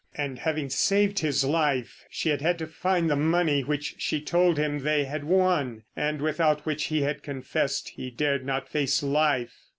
And, having saved his life, she had had to find the money which, she told him, they had won, and without which he had confessed he dared not face life.